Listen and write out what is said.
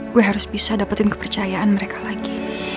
gue harus bisa dapetin kepercayaan mereka lagi